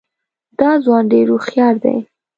دا ځوان ډېر هوښیار دی.